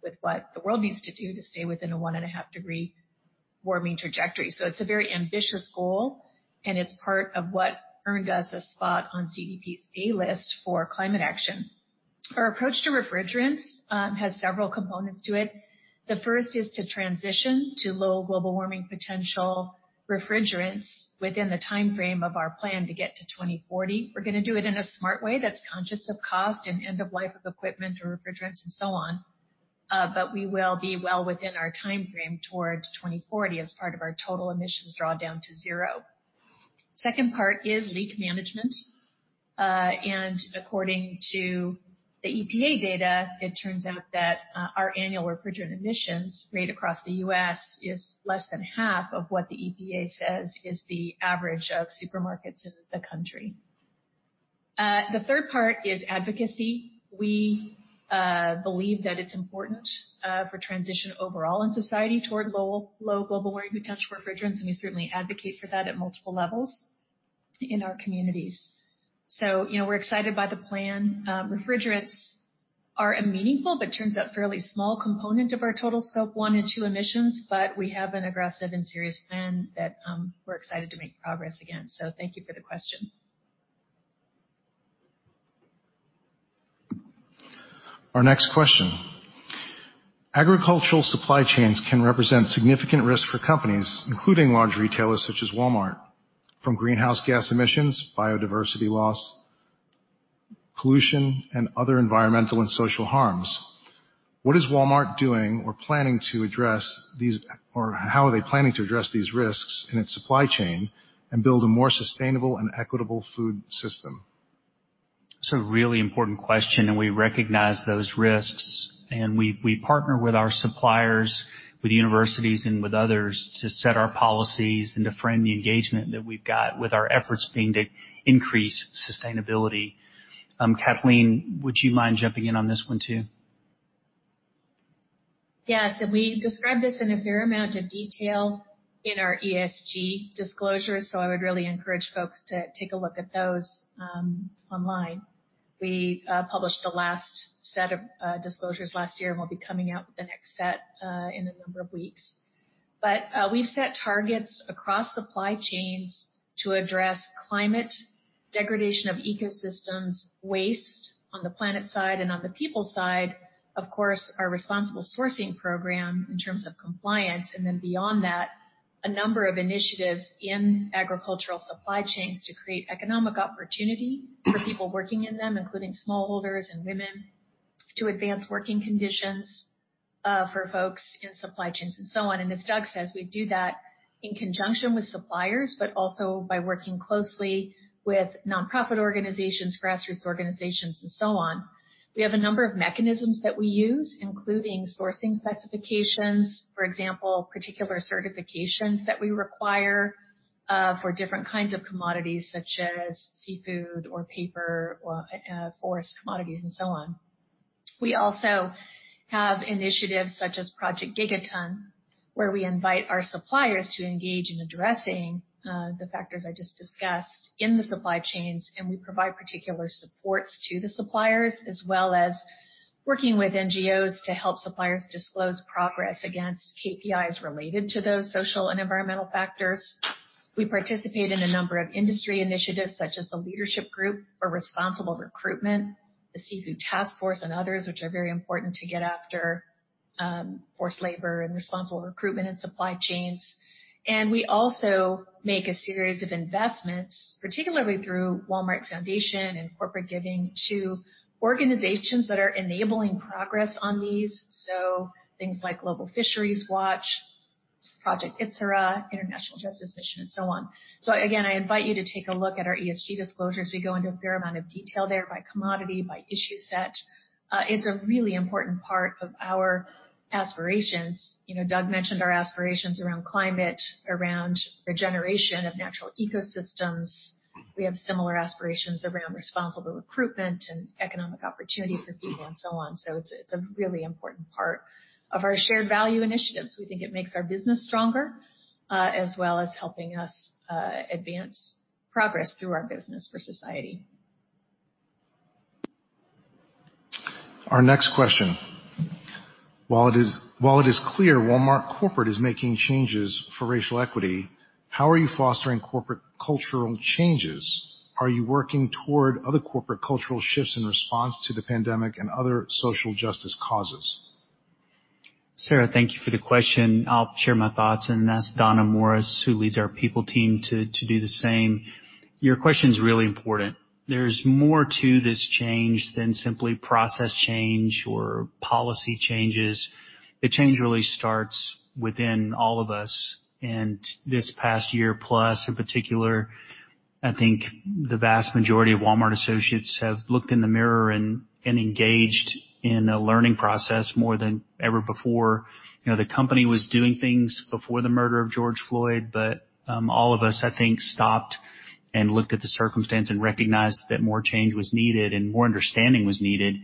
with what the world needs to do to stay within a one-and-a-half degree warming trajectory. It's a very ambitious goal, it's part of what earned us a spot on CDP's A list for climate action. Our approach to refrigerants has several components to it. The first is to transition to low global warming potential refrigerants within the timeframe of our plan to get to 2040. We're going to do it in a smart way that's conscious of cost and end of life of equipment and refrigerants and so on. We will be well within our timeframe towards 2040 as part of our total emissions draw down to zero. Second part is leak management. According to the EPA data, it turns out that our annual refrigerant emissions made across the U.S. is less than 1/2 of what the EPA says is the average of supermarkets in the country. The third part is advocacy. We believe that it's important for transition overall in society toward low global warming potential refrigerants, and we certainly advocate for that at multiple levels in our communities. We're excited by the plan. Refrigerants are a meaningful, but turns out fairly small component of our total scope one and two emissions, but we have an aggressive and serious plan that we're excited to make progress against. Thank you for the question. Our next question. Agricultural supply chains can represent significant risk for companies, including large retailers such as Walmart, from greenhouse gas emissions, biodiversity loss, pollution, and other environmental and social harms. What is Walmart doing or how are they planning to address these risks in its supply chain and build a more sustainable and equitable food system? It's a really important question, and we recognize those risks, and we partner with our suppliers, with universities, and with others to set our policies and to frame the engagement that we've got with our efforts being to increase sustainability. Kathleen, would you mind jumping in on this one too? Yes. We describe this in a fair amount of detail in our ESG disclosures, so I would really encourage folks to take a look at those online. We published the last set of disclosures last year, and we'll be coming out with the next set in a number of weeks. We've set targets across supply chains to address climate degradation of ecosystems, waste on the planet side and on the people side, of course, our responsible sourcing program in terms of compliance, and then beyond that, a number of initiatives in agricultural supply chains to create economic opportunity for people working in them, including smallholders and women, to advance working conditions for folks in supply chains and so on. As Doug says, we do that in conjunction with suppliers, but also by working closely with nonprofit organizations, grassroots organizations, and so on. We have a number of mechanisms that we use, including sourcing specifications. For example, particular certifications that we require for different kinds of commodities, such as seafood or paper or forest commodities and so on. We also have initiatives such as Project Gigaton, where we invite our suppliers to engage in addressing the factors I just discussed in the supply chains, and we provide particular supports to the suppliers, as well as working with NGOs to help suppliers disclose progress against KPIs related to those social and environmental factors. We participate in a number of industry initiatives such as the Leadership Group for Responsible Recruitment, the Seafood Task Force, and others, which are very important to get after forced labor and responsible recruitment in supply chains. We also make a series of investments, particularly through Walmart Foundation and corporate giving, to organizations that are enabling progress on these. Things like Global Fishing Watch, Project Issara, International Justice Mission, and so on. Again, I invite you to take a look at our ESG disclosures. We go into a fair amount of detail there by commodity, by issue set. It's a really important part of our aspirations. Doug mentioned our aspirations around climate, around regeneration of natural ecosystems. We have similar aspirations around responsible recruitment and economic opportunity for people and so on. It's a really important part of our shared value initiatives. We think it makes our business stronger, as well as helping us advance progress through our business for society. Our next question. While it is clear Walmart corporate is making changes for racial equity, how are you fostering corporate cultural changes? Are you working toward other corporate cultural shifts in response to the pandemic and other social justice causes? Sarah, thank you for the question. I'll share my thoughts and ask Donna Morris, who leads our people team, to do the same. Your question's really important. There's more to this change than simply process change or policy changes. The change really starts within all of us. This past year plus in particular, I think the vast majority of Walmart associates have looked in the mirror and engaged in a learning process more than ever before. The company was doing things before the murder of George Floyd, but all of us, I think, stopped and looked at the circumstance and recognized that more change was needed and more understanding was needed.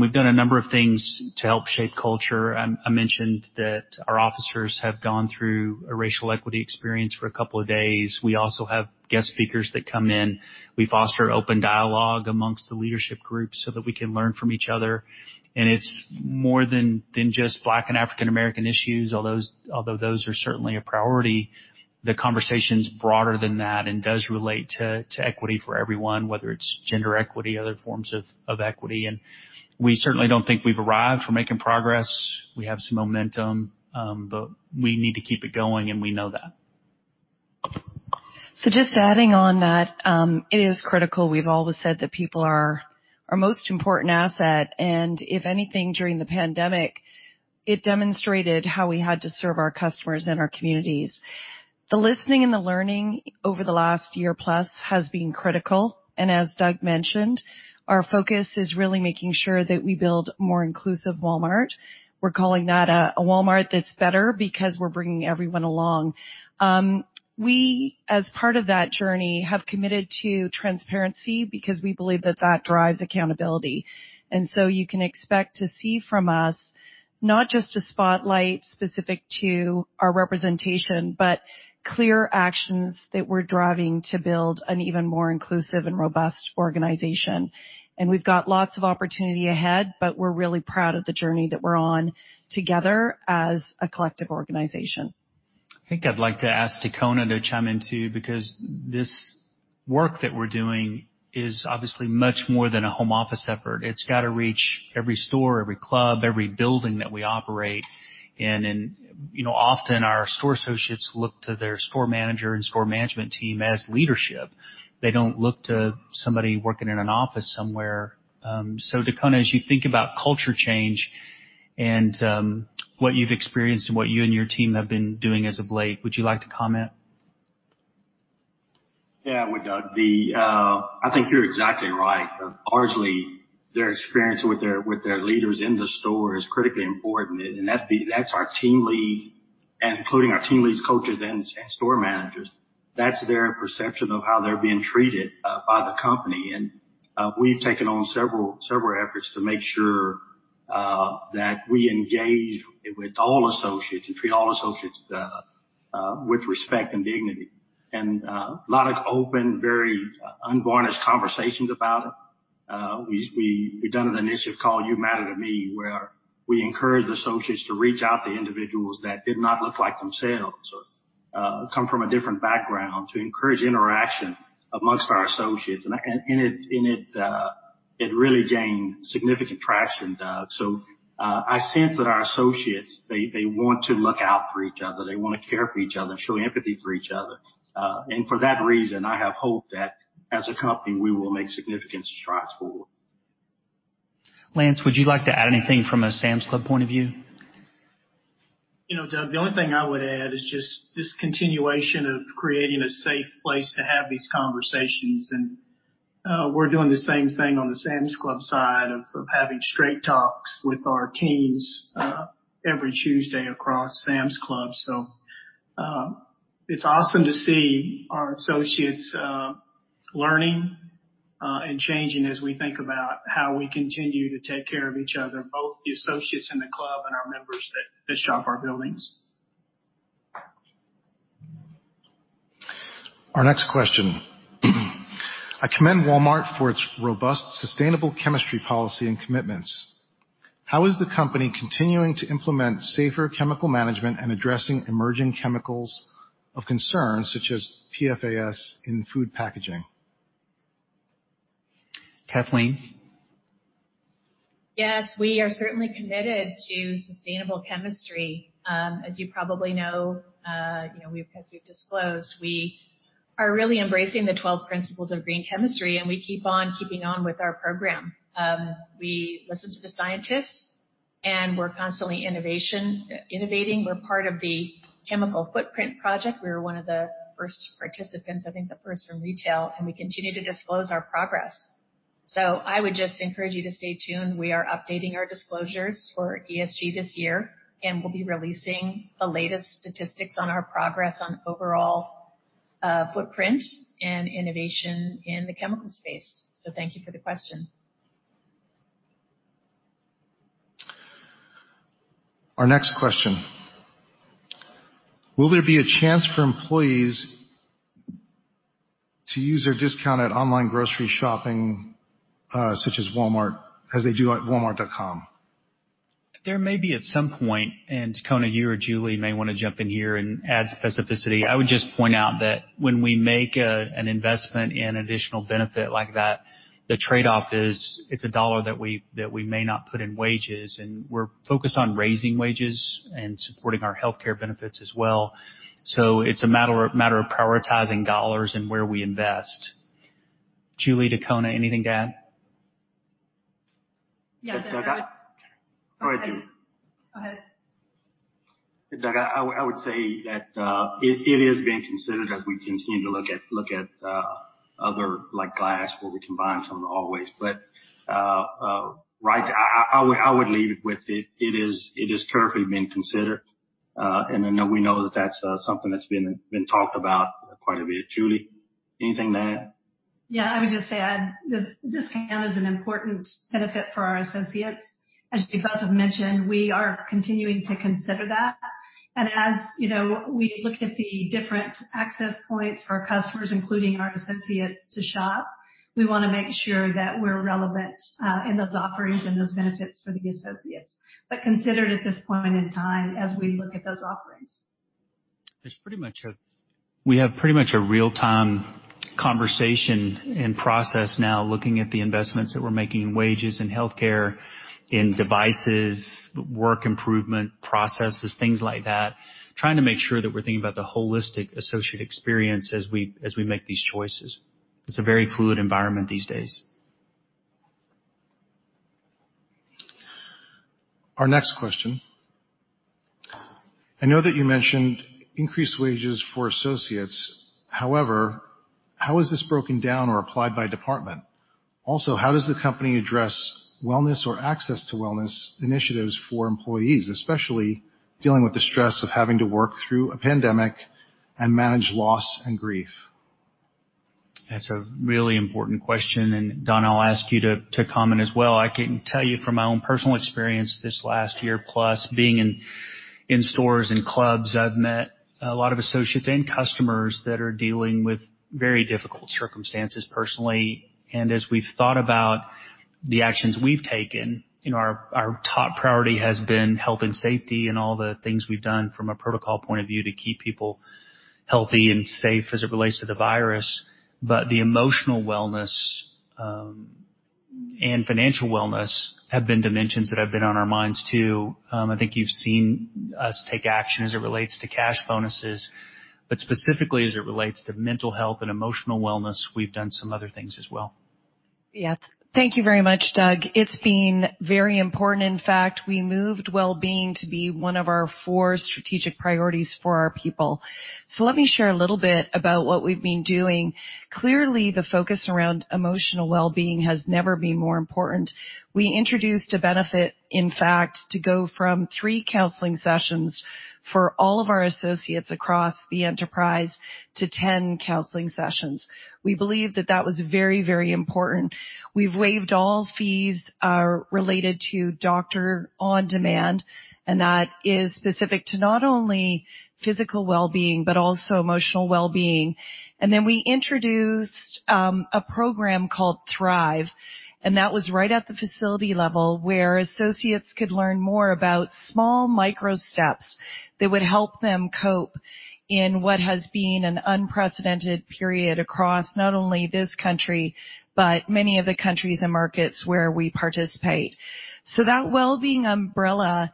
We've done a number of things to help shape culture. I mentioned that our officers have gone through a racial equity experience for a couple of days. We also have guest speakers that come in. We foster open dialogue amongst the leadership group so that we can learn from each other. It's more than just Black and African American issues, although those are certainly a priority. The conversation's broader than that and does relate to equity for everyone, whether it's gender equity or other forms of equity, and we certainly don't think we've arrived. We're making progress. We have some momentum. We need to keep it going, and we know that. Just adding on that, it is critical. We've always said that people are our most important asset, and if anything, during the pandemic, it demonstrated how we had to serve our customers and our communities. The listening and the learning over the last year plus has been critical, and as Doug mentioned, our focus is really making sure that we build a more inclusive Walmart. We're calling that a Walmart that's better because we're bringing everyone along. We, as part of that journey, have committed to transparency because we believe that that drives accountability. You can expect to see from us not just a spotlight specific to our representation, but clear actions that we're driving to build an even more inclusive and robust organization. We've got lots of opportunity ahead, but we're really proud of the journey that we're on together as a collective organization. I think I'd like to ask Dacona to chime in, too, because this work that we're doing is obviously much more than a home office effort. It's got to reach every store, every club, every building that we operate. Often our store associates look to their store manager and store management team as leadership. They don't look to somebody working in an office somewhere. Dacona, as you think about culture change and what you've experienced and what you and your team have been doing as of late, would you like to comment? Yeah. I think you're exactly right. Largely, their experience with their leaders in the store is critically important, including our team leads, coaches, and store managers. That's their perception of how they're being treated by the company, and we've taken on several efforts to make sure that we engage with all associates, treat all associates with respect and dignity, and a lot of open, very unguarded conversations about it. We've done an initiative called You Matter to Me, where we encourage associates to reach out to individuals that did not look like themselves or come from a different background to encourage interaction amongst our associates. It really gained significant traction. I sense that our associates, they want to look out for each other, they want to care for each other, show empathy for each other. For that reason, I have hope that as a company, we will make significant strides forward. Lance, would you like to add anything from a Sam's Club point of view? Doug, the only thing I would add is just this continuation of creating a safe place to have these conversations. We're doing the same thing on the Sam's Club side of having straight talks with our teams every Tuesday across Sam's Club. It's awesome to see our associates learning and changing as we think about how we continue to take care of each other, both the associates in the club and our members that shop our buildings. Our next question. "I commend Walmart for its robust sustainable chemistry policy and commitments. How is the company continuing to implement safer chemical management and addressing emerging chemicals of concern such as PFAS in food packaging?" Kathleen. Yes, we are certainly committed to sustainable chemistry. As you probably know, as we've disclosed, we are really embracing the 12 principles of green chemistry. We keep on keeping on with our program. We listen to the scientists. We're constantly innovating. We're part of the Chemical Footprint Project. We were one of the first participants, I think the first in retail. We continue to disclose our progress. I would just encourage you to stay tuned. We are updating our disclosures for ESG this year. We'll be releasing the latest statistics on our progress on overall footprint and innovation in the chemical space. Thank you for the question. Our next question. "Will there be a chance for employees to use their discounted online grocery shopping such as Walmart as they do at walmart.com?" There may be at some point, Dacona, you or Julie may want to jump in here and add specificity. I would just point out that when we make an investment in additional benefit like that, the trade-off is it's a dollar that we may not put in wages, and we're focused on raising wages and supporting our healthcare benefits as well. It's a matter of prioritizing dollars and where we invest. Julie, Dacona, anything to add? Yes. Go ahead, Julie. Go ahead. Doug, I would say that it is being considered as we continue to look at [other like Glass where we combine some of the always]. I would leave it with it is currently being considered, and I know we know that that's something that's been talked about quite a bit. Julie, anything to add? Yeah, I would just say this is an important benefit for our associates. As Dacona mentioned, we are continuing to consider that. As we look at the different access points for our customers, including our associates, to shop, we want to make sure that we're relevant in those offerings and those benefits for the associates. Considered at this point in time as we look at those offerings. We have pretty much a real-time conversation in process now, looking at the investments that we're making in wages and healthcare, in devices, work improvement processes, things like that, trying to make sure that we're thinking about the holistic associate experience as we make these choices. It's a very fluid environment these days. Our next question. "I know that you mentioned increased wages for associates. However, how is this broken down or applied by department? Also, how does the company address wellness or access to wellness initiatives for employees, especially dealing with the stress of having to work through a pandemic and manage loss and grief? That's a really important question. Donna, I'll ask you to comment as well. I can tell you from my own personal experience this last year, plus being in stores and clubs, I've met a lot of associates and customers that are dealing with very difficult circumstances personally. As we've thought about the actions we've taken, our top priority has been health and safety and all the things we've done from a protocol point of view to keep people healthy and safe as it relates to the virus. The emotional wellness and financial wellness have been dimensions that have been on our minds, too. I think you've seen us take action as it relates to cash bonuses, specifically as it relates to mental health and emotional wellness, we've done some other things as well. Yeah. Thank you very much, Doug. It's been very important. In fact, we moved wellbeing to be one of our four strategic priorities for our people. Let me share a little bit about what we've been doing. Clearly, the focus around emotional wellbeing has never been more important. We introduced a benefit, in fact, to go from three counseling sessions for all of our associates across the enterprise to 10 counseling sessions. We believe that was very important. We've waived all fees related to Doctor on Demand, and that is specific to not only physical wellbeing but also emotional wellbeing. We introduced a program called Thrive, and that was right at the facility level, where associates could learn more about small micro-steps that would help them cope in what has been an unprecedented period across not only this country but many other countries and markets where we participate. That wellbeing umbrella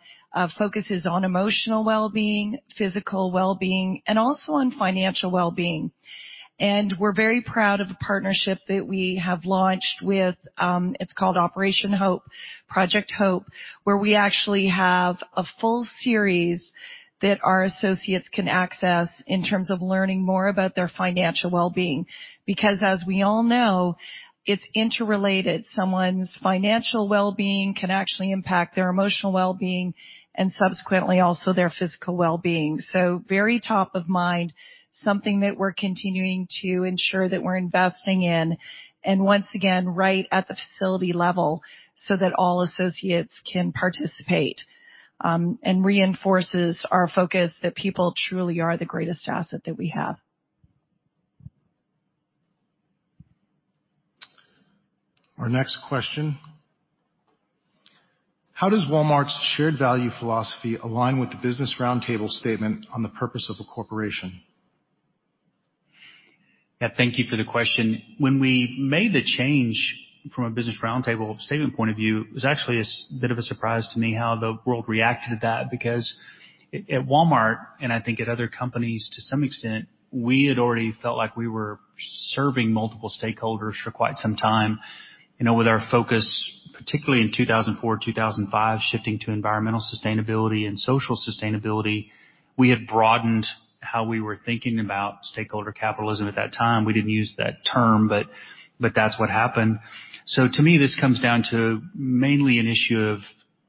focuses on emotional wellbeing, physical wellbeing, and also on financial wellbeing. We're very proud of the partnership that we have launched with, it's called Operation Hope, Project Hope, where we actually have a full series that our associates can access in terms of learning more about their financial wellbeing. As we all know, it's interrelated. Someone's financial wellbeing can actually impact their emotional wellbeing and subsequently also their physical wellbeing. Very top of mind, something that we're continuing to ensure that we're investing in, and once again, right at the facility level so that all associates can participate, and reinforces our focus that people truly are the greatest asset that we have. Our next question. How does Walmart's shared value philosophy align with the Business Roundtable statement on the purpose of a corporation? Yeah, thank you for the question. When we made the change from a Business Roundtable statement point of view, it was actually a bit of a surprise to me how the world reacted to that because at Walmart, and I think at other companies to some extent, we had already felt like we were serving multiple stakeholders for quite some time. With our focus, particularly in 2004, 2005, shifting to environmental sustainability and social sustainability, we had broadened how we were thinking about stakeholder capitalism at that time. We didn't use that term, but that's what happened. To me, this comes down to mainly an issue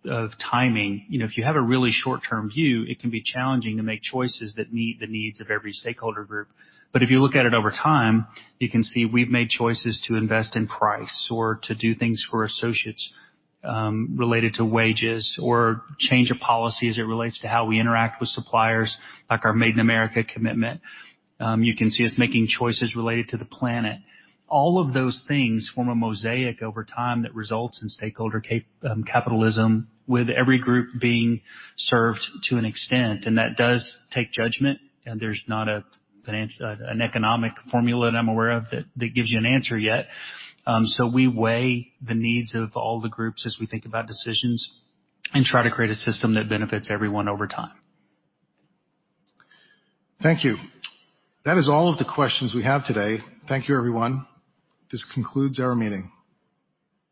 of timing. If you had a really short-term view, it can be challenging to make choices that meet the needs of every stakeholder group. If you look at it over time, you can see we've made choices to invest in price or to do things for associates, related to wages or change of policy as it relates to how we interact with suppliers, like our Made in America commitment. You can see us making choices related to the planet. All of those things form a mosaic over time that results in stakeholder capitalism, with every group being served to an extent, and that does take judgment, and there's not an economic formula that I'm aware of that gives you an answer yet. We weigh the needs of all the groups as we think about decisions and try to create a system that benefits everyone over time. Thank you. That is all of the questions we have today. Thank you, everyone. This concludes our meeting.